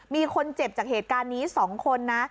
มีคนเจ็บจากเหตุการณ์นี้๒คนนะ